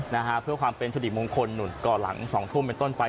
นะฮะเพื่อความเป็นสริมงคลหนุ่นก็หลังสองทุ่มเป็นต้นไป